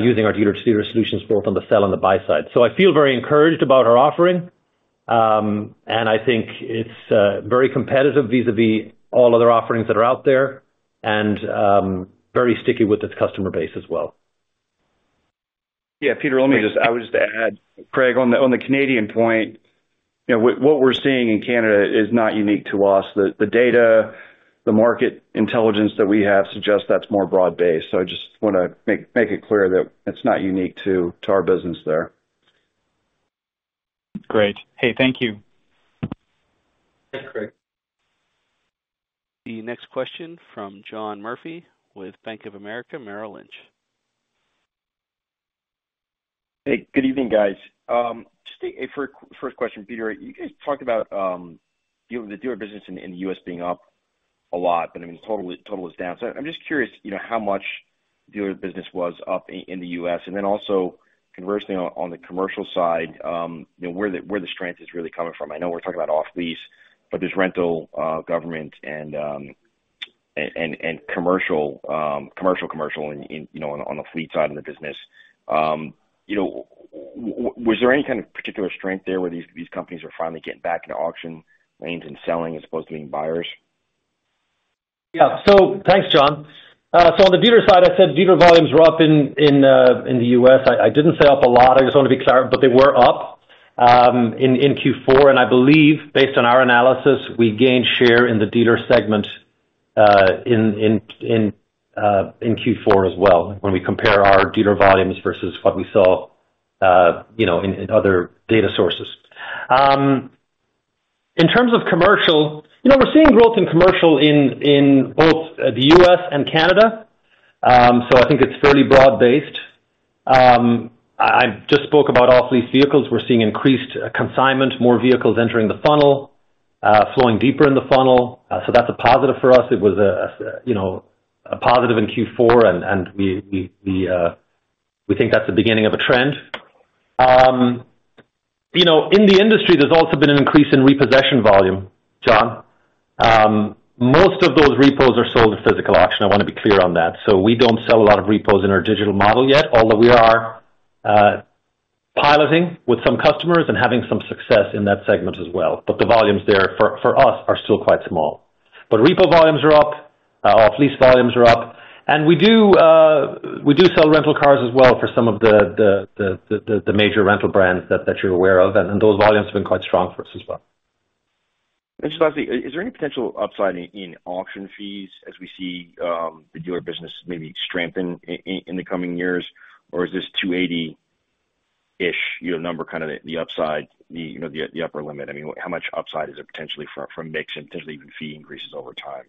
using our dealer-to-dealer solutions both on the sell and the buy side. So I feel very encouraged about our offering. I think it's very competitive vis-à-vis all other offerings that are out there and very sticky with its customer base as well. Yeah. Peter, I was just going to add, Craig, on the Canadian point, what we're seeing in Canada is not unique to us. The data, the market intelligence that we have suggests that's more broad-based. So I just want to make it clear that it's not unique to our business there. Great. Hey, thank you. Thanks, Craig. The next question from John Murphy with Bank of America Merrill Lynch. Hey, good evening, guys. First question, Peter, you guys talked about the dealer business in the U.S. being up a lot, but I mean, total is down. So I'm just curious how much dealer business was up in the U.S. And then also, conversely, on the commercial side, where the strength is really coming from. I know we're talking about off-lease, but there's rental, government, and commercial, commercial, commercial on the fleet side of the business. Was there any kind of particular strength there where these companies are finally getting back into auction lanes and selling as opposed to being buyers? Yeah. So thanks, John. So on the dealer side, I said dealer volumes were up in the U.S. I didn't say up a lot. I just wanted to be clear, but they were up in Q4. And I believe, based on our analysis, we gained share in the dealer segment in Q4 as well when we compare our dealer volumes versus what we saw in other data sources. In terms of commercial, we're seeing growth in commercial in both the U.S. and Canada. So I think it's fairly broad-based. I just spoke about off-lease vehicles. We're seeing increased consignment, more vehicles entering the funnel, flowing deeper in the funnel. So that's a positive for us. It was a positive in Q4, and we think that's the beginning of a trend. In the industry, there's also been an increase in repossession volume, John. Most of those repos are sold at physical auction. I want to be clear on that. So we don't sell a lot of repos in our digital model yet, although we are piloting with some customers and having some success in that segment as well. But the volumes there for us are still quite small. But repo volumes are up. Off-lease volumes are up. And we do sell rental cars as well for some of the major rental brands that you're aware of. And those volumes have been quite strong for us as well. Just lastly, is there any potential upside in auction fees as we see the dealer business maybe strengthen in the coming years, or is this 280-ish number kind of the upside, the upper limit? I mean, how much upside is there potentially from mix and potentially even fee increases over time?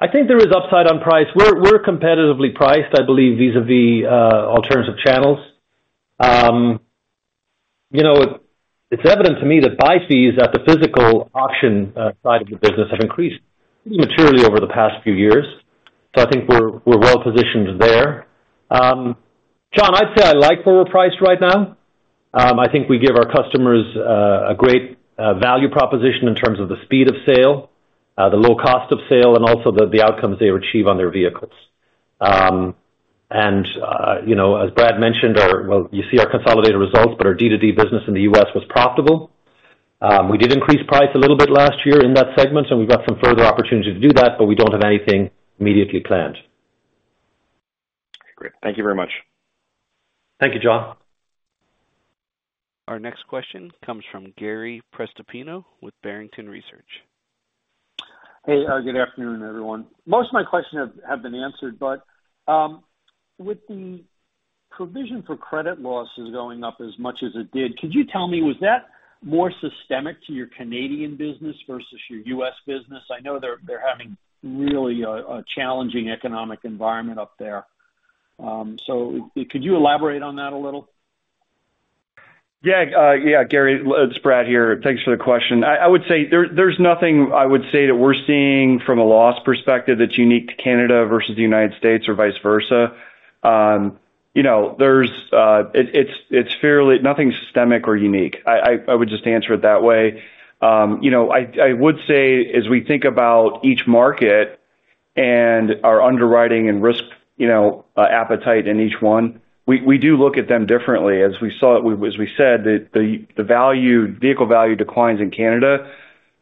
I think there is upside on price. We're competitively priced, I believe, vis-à-vis alternative channels. It's evident to me that buy fees at the physical auction side of the business have increased pretty materially over the past few years. So I think we're well-positioned there. John, I'd say I like where we're priced right now. I think we give our customers a great value proposition in terms of the speed of sale, the low cost of sale, and also the outcomes they achieve on their vehicles. And as Brad mentioned, well, you see our consolidated results, but our D2D business in the U.S. was profitable. We did increase price a little bit last year in that segment, and we've got some further opportunity to do that, but we don't have anything immediately planned. Great. Thank you very much. Thank you, John. Our next question comes from Gary Prestopino with Barrington Research. Hey, good afternoon, everyone. Most of my questions have been answered, but with the provision for credit losses going up as much as it did, could you tell me, was that more systemic to your Canadian business versus your U.S. business? I know they're having really a challenging economic environment up there. So could you elaborate on that a little? Yeah. Yeah, Gary, it's Brad here. Thanks for the question. I would say there's nothing, I would say, that we're seeing from a loss perspective that's unique to Canada versus the United States or vice versa. It's nothing systemic or unique. I would say, as we think about each market and our underwriting and risk appetite in each one, we do look at them differently. As we said, the vehicle value declines in Canada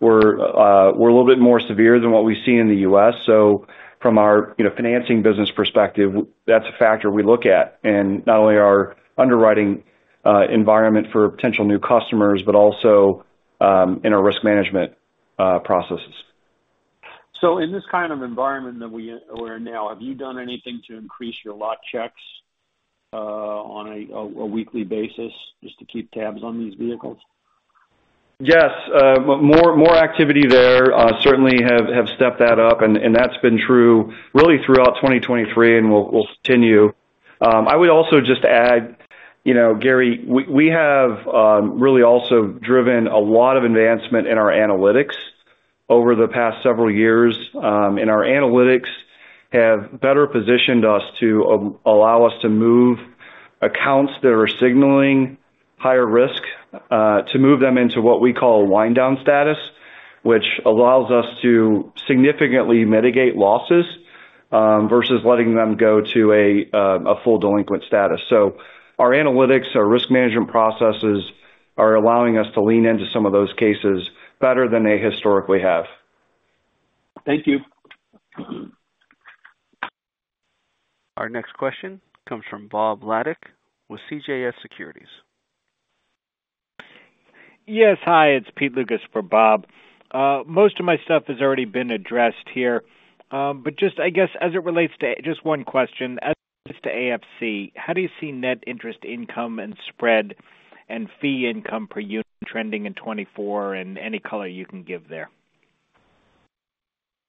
were a little bit more severe than what we see in the U.S. So from our financing business perspective, that's a factor we look at in not only our underwriting environment for potential new customers, but also in our risk management processes. In this kind of environment that we're in now, have you done anything to increase your lot checks on a weekly basis just to keep tabs on these vehicles? Yes. More activity there. Certainly, have stepped that up. And that's been true really throughout 2023, and we'll continue. I would also just add, Gary, we have really also driven a lot of advancement in our analytics over the past several years. And our analytics have better positioned us to allow us to move accounts that are signaling higher risk to move them into what we call a wind-down status, which allows us to significantly mitigate losses versus letting them go to a full delinquent status. So our analytics, our risk management processes are allowing us to lean into some of those cases better than they historically have. Thank you. Our next question comes from Bob Labick with CJS Securities. Yes. Hi. It's Pete Lucas for Bob. Most of my stuff has already been addressed here. But just, I guess, as it relates to just one question, as it relates to AFC, how do you see net interest income and spread and fee income per unit trending in 2024 and any color you can give there?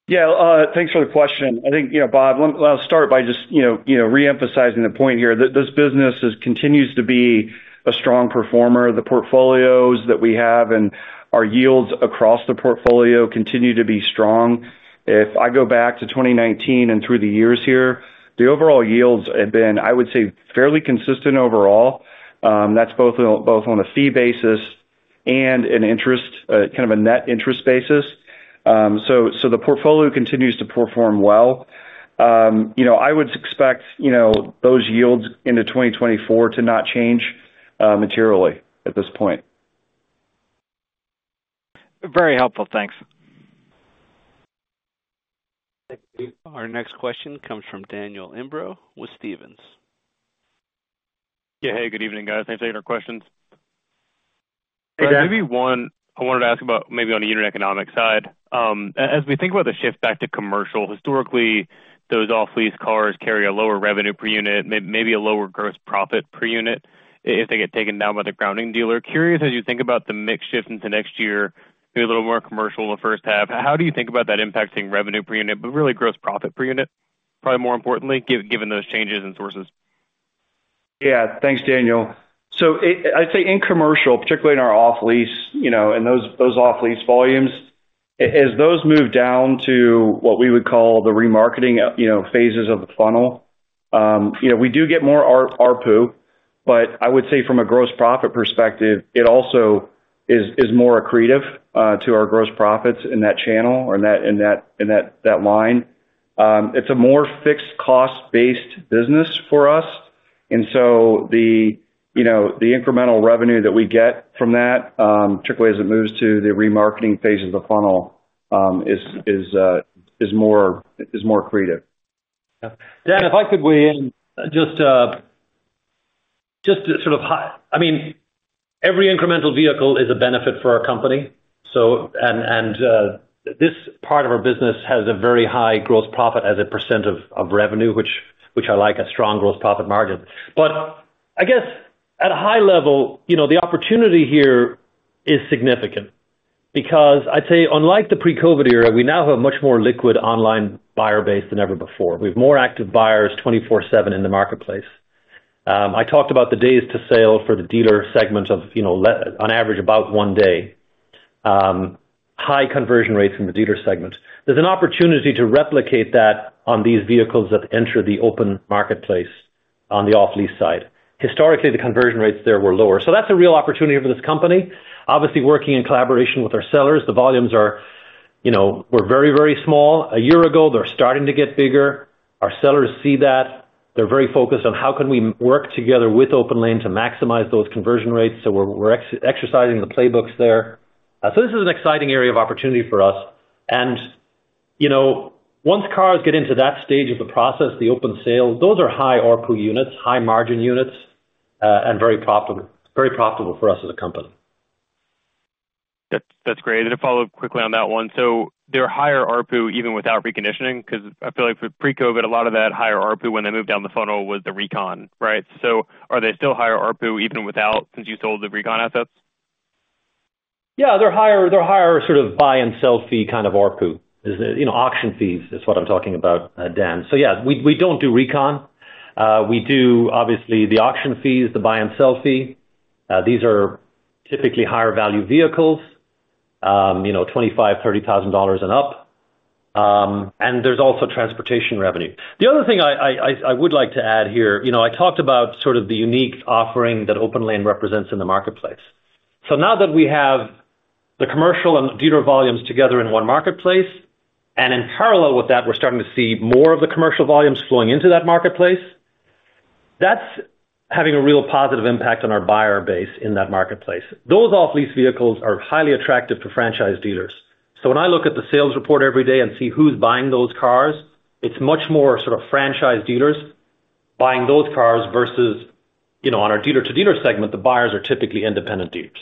Yeah. Thanks for the question. I think, Bob, let me start by just reemphasizing the point here. This business continues to be a strong performer. The portfolios that we have and our yields across the portfolio continue to be strong. If I go back to 2019 and through the years here, the overall yields have been, I would say, fairly consistent overall. That's both on a fee basis and an interest, kind of a net interest basis. So the portfolio continues to perform well. I would expect those yields into 2024 to not change materially at this point. Very helpful. Thanks. Our next question comes from Daniel Imbro with Stephens. Yeah. Hey, good evening, guys. Thanks for taking our questions. I wanted to ask about maybe on the unit economic side. As we think about the shift back to commercial, historically, those off-lease cars carry a lower revenue per unit, maybe a lower gross profit per unit if they get taken down by the grounding dealer. Curious, as you think about the mix shift into next year, maybe a little more commercial in the first half, how do you think about that impacting revenue per unit, but really gross profit per unit, probably more importantly, given those changes in sources? Yeah. Thanks, Daniel. So I'd say in commercial, particularly in our off-lease and those off-lease volumes, as those move down to what we would call the remarketing phases of the funnel, we do get more RPU. But I would say from a gross profit perspective, it also is more accretive to our gross profits in that channel or in that line. It's a more fixed-cost-based business for us. And so the incremental revenue that we get from that, particularly as it moves to the remarketing phase of the funnel, is more accretive. Yeah. Dan, if I could weigh in just to sort of highlight, I mean, every incremental vehicle is a benefit for our company. And this part of our business has a very high gross profit as a percent of revenue, which I like, a strong gross profit margin. But I guess, at a high level, the opportunity here is significant because I'd say, unlike the pre-COVID era, we now have a much more liquid online buyer base than ever before. We have more active buyers 24/7 in the marketplace. I talked about the days to sale for the dealer segment of, on average, about one day, high conversion rates in the dealer segment. There's an opportunity to replicate that on these vehicles that enter the open marketplace on the off-lease side. Historically, the conversion rates there were lower. So that's a real opportunity for this company. Obviously, working in collaboration with our sellers, the volumes were very, very small. A year ago, they're starting to get bigger. Our sellers see that. They're very focused on how can we work together with OPENLANE to maximize those conversion rates. So we're exercising the playbooks there. So this is an exciting area of opportunity for us. And once cars get into that stage of the process, the open sale, those are high RPU units, high-margin units, and very profitable for us as a company. That's great. And to follow up quickly on that one, so they're higher RPU even without reconditioning? Because I feel like, pre-COVID, a lot of that higher RPU when they moved down the funnel was the recon, right? So are they still higher RPU even since you sold the recon assets? Yeah. They're higher sort of buy-and-sell fee kind of RPU. Auction fees is what I'm talking about, Dan. So yeah, we don't do recon. We do, obviously, the auction fees, the buy-and-sell fee. These are typically higher-value vehicles, $25,000, $30,000 and up. And there's also transportation revenue. The other thing I would like to add here, I talked about sort of the unique offering that OPENLANE represents in the marketplace. So now that we have the commercial and dealer volumes together in one marketplace, and in parallel with that, we're starting to see more of the commercial volumes flowing into that marketplace, that's having a real positive impact on our buyer base in that marketplace. Those off-lease vehicles are highly attractive to franchise dealers. So when I look at the sales report every day and see who's buying those cars, it's much more sort of franchise dealers buying those cars versus, on our dealer-to-dealer segment, the buyers are typically independent dealers.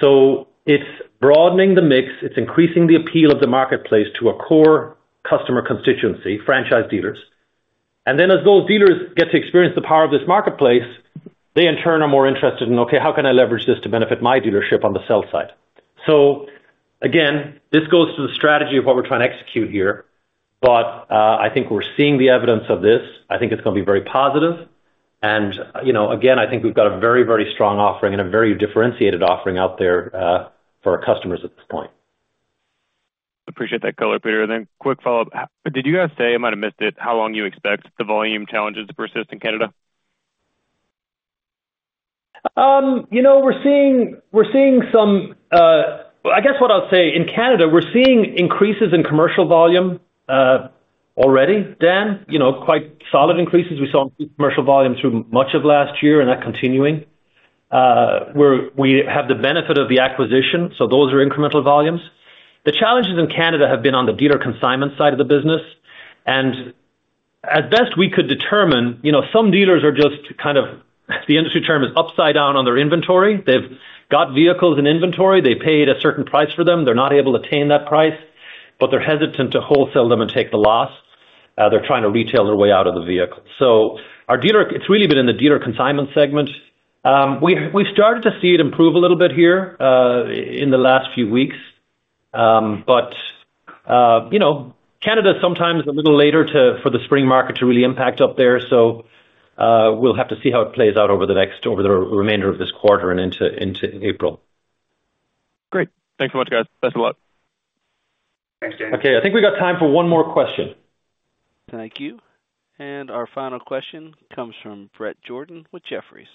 So it's broadening the mix. It's increasing the appeal of the marketplace to a core customer constituency, franchise dealers. And then, as those dealers get to experience the power of this marketplace, they, in turn, are more interested in, "Okay, how can I leverage this to benefit my dealership on the sell side?" So again, this goes to the strategy of what we're trying to execute here. But I think we're seeing the evidence of this. I think it's going to be very positive. And again, I think we've got a very, very strong offering and a very differentiated offering out there for our customers at this point. Appreciate that color, Peter. And then quick follow-up, did you guys say - I might have missed it - how long you expect the volume challenges to persist in Canada? We're seeing some, I guess what I'll say, in Canada, we're seeing increases in commercial volume already, Dan, quite solid increases. We saw increased commercial volume through much of last year, and that's continuing. We have the benefit of the acquisition. So those are incremental volumes. The challenges in Canada have been on the dealer consignment side of the business. And as best we could determine, some dealers are just kind of the industry term is upside down on their inventory. They've got vehicles in inventory. They paid a certain price for them. They're not able to attain that price, but they're hesitant to wholesale them and take the loss. They're trying to retail their way out of the vehicle. So it's really been in the dealer consignment segment. We've started to see it improve a little bit here in the last few weeks. But Canada is sometimes a little later for the spring market to really impact up there. So we'll have to see how it plays out over the remainder of this quarter and into April. Great. Thanks so much, guys. Thanks a lot. Thanks, Daniel. Okay. I think we got time for one more question. Thank you. And our final question comes from Bret Jordan with Jefferies.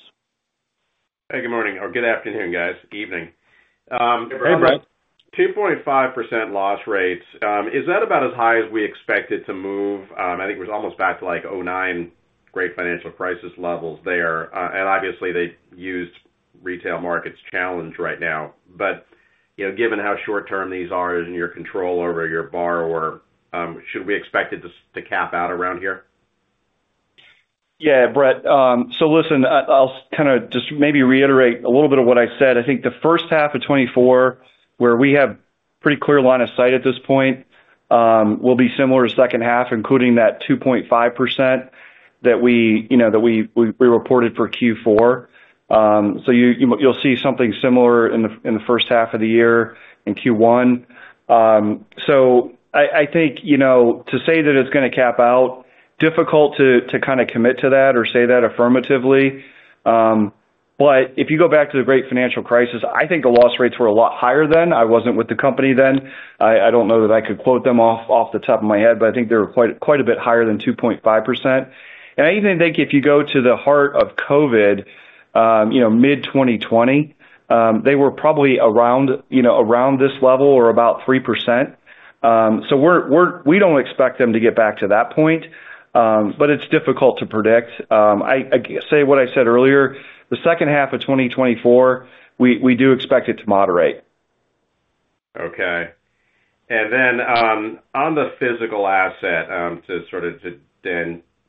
Hey, good morning, or good afternoon, guys, evening. Hey, Brad. 2.5% loss rates. Is that about as high as we expected to move? I think it was almost back to like 2009 great financial crisis levels there. Obviously, the used retail market's challenge right now. Given how short-term these are and your control over your borrower, should we expect it to cap out around here? Yeah, Bret. So listen, I'll kind of just maybe reiterate a little bit of what I said. I think the first half of 2024, where we have a pretty clear line of sight at this point, will be similar to the second half, including that 2.5% that we reported for Q4. So I think to say that it's going to cap out, difficult to kind of commit to that or say that affirmatively. But if you go back to the great financial crisis, I think the loss rates were a lot higher then. I wasn't with the company then. I don't know that I could quote them off the top of my head, but I think they were quite a bit higher than 2.5%. I even think if you go to the heart of COVID, mid-2020, they were probably around this level or about 3%. So we don't expect them to get back to that point, but it's difficult to predict. I say what I said earlier. The second half of 2024, we do expect it to moderate. Okay. And then on the physical asset, sort of to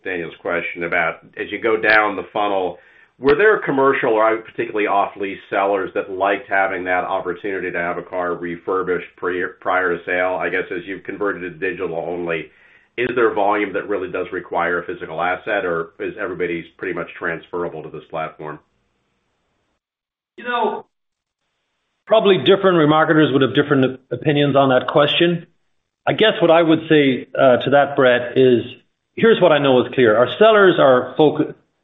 Daniel's question about as you go down the funnel, were there commercial or particularly off-lease sellers that liked having that opportunity to have a car refurbished prior to sale? I guess, as you've converted to digital only, is there volume that really does require a physical asset, or is everybody's pretty much transferable to this platform? Probably different remarketers would have different opinions on that question. I guess what I would say to that, Bret, is here's what I know is clear. Our sellers are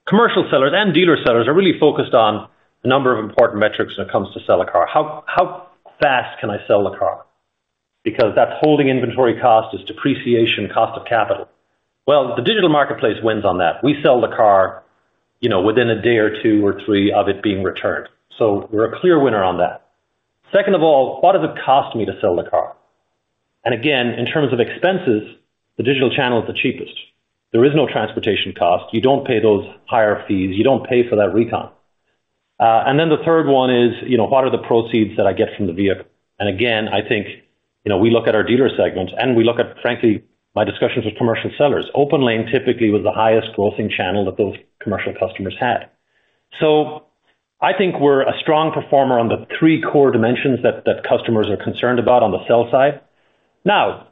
commercial sellers and dealer sellers are really focused on a number of important metrics when it comes to sell a car. How fast can I sell the car? Because that's holding inventory cost is depreciation, cost of capital. Well, the digital marketplace wins on that. We sell the car within one day or two or three of it being returned. So we're a clear winner on that. Second of all, what does it cost me to sell the car? And again, in terms of expenses, the digital channel is the cheapest. There is no transportation cost. You don't pay those higher fees. You don't pay for that recon. And then the third one is, what are the proceeds that I get from the vehicle? And again, I think we look at our dealer segments, and we look at, frankly, my discussions with commercial sellers. OPENLANE typically was the highest grossing channel that those commercial customers had. So I think we're a strong performer on the three core dimensions that customers are concerned about on the sell side. Now,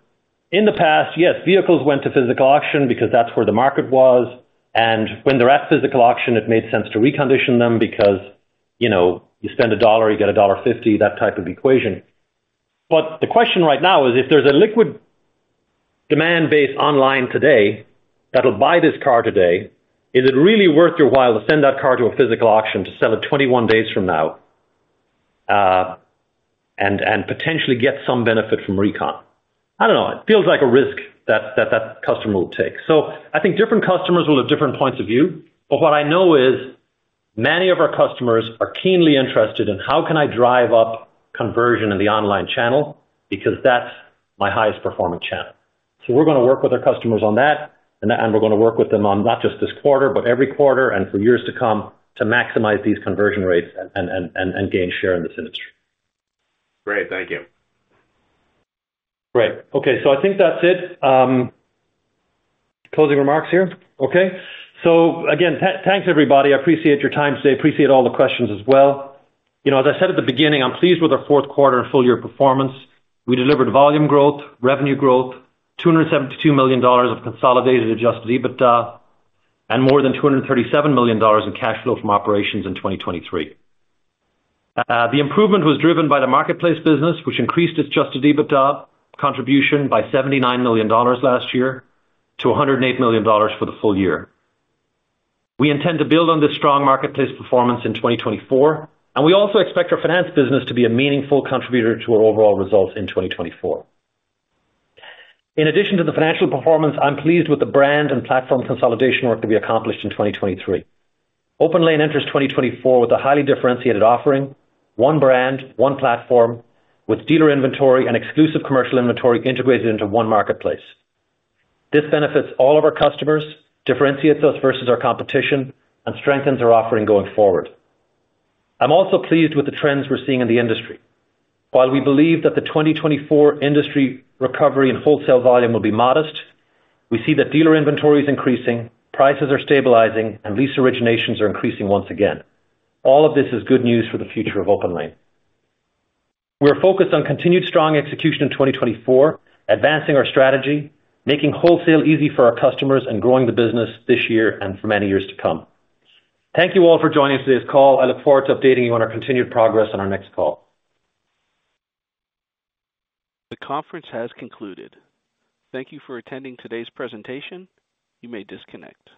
in the past, yes, vehicles went to physical auction because that's where the market was. And when they're at physical auction, it made sense to recondition them because you spend $1, you get $1.50, that type of equation. But the question right now is, if there's a liquid demand base online today that'll buy this car today, is it really worth your while to send that car to a physical auction to sell it 21 days from now and potentially get some benefit from recon? I don't know. It feels like a risk that that customer will take. So I think different customers will have different points of view. But what I know is many of our customers are keenly interested in, how can I drive up conversion in the online channel because that's my highest performing channel? So we're going to work with our customers on that, and we're going to work with them on not just this quarter, but every quarter and for years to come to maximize these conversion rates and gain share in this industry. Great. Thank you. Great. Okay. So I think that's it. Closing remarks here. Okay. So again, thanks, everybody. I appreciate your time today. Appreciate all the questions as well. As I said at the beginning, I'm pleased with our fourth quarter and full-year performance. We delivered volume growth, revenue growth, $272 million of consolidated adjusted EBITDA, and more than $237 million in cash flow from operations in 2023. The improvement was driven by the marketplace business, which increased its adjusted EBITDA contribution by $79 million last year to $108 million for the full year. We intend to build on this strong marketplace performance in 2024, and we also expect our finance business to be a meaningful contributor to our overall results in 2024. In addition to the financial performance, I'm pleased with the brand and platform consolidation work to be accomplished in 2023. OPENLANE enters 2024 with a highly differentiated offering, one brand, one platform, with dealer inventory and exclusive commercial inventory integrated into one marketplace. This benefits all of our customers, differentiates us versus our competition, and strengthens our offering going forward. I'm also pleased with the trends we're seeing in the industry. While we believe that the 2024 industry recovery and wholesale volume will be modest, we see that dealer inventory is increasing, prices are stabilizing, and lease originations are increasing once again. All of this is good news for the future of OPENLANE. We're focused on continued strong execution in 2024, advancing our strategy, making wholesale easy for our customers, and growing the business this year and for many years to come. Thank you all for joining us today's call. I look forward to updating you on our continued progress on our next call. The conference has concluded. Thank you for attending today's presentation. You may disconnect.